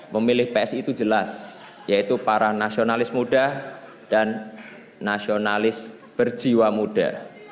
memilih psi itu jelas yaitu para nasionalis muda dan nasionalis berjiwa muda